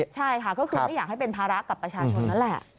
ใช่ค่ะก็คือไม่อยากให้เป็นภาระกับประชาชนนั่นแหละ